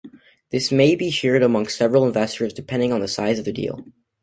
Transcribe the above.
This may be shared amongst several investors depending on the size of the deal.